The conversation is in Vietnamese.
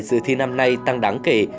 dự thi năm nay